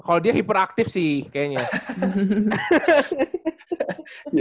kalau dia hiperaktif sih kayaknya